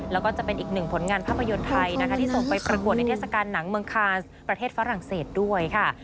แล้วก็จะเป็นอีกหนึ่งผลงานภาพยนตร์ไทยนะคะที่ส่งไปประกวดในเทศกาลหนังเมืองคานประเทศฝรั่งเศสด้วยค่ะ